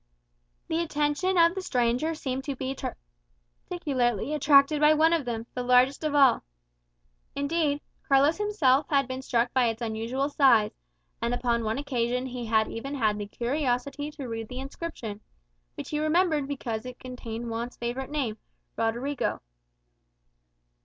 The attention of the stranger seemed to be particularly attracted by one of them, the largest of all. Indeed, Carlos himself had been struck by its unusual size; and upon one occasion he had even had the curiosity to read the inscription, which he remembered because it contained Juan's favourite name. Rodrigo.